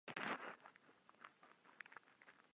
Česká národní banka dohlíží na dodržování podmínek evidence.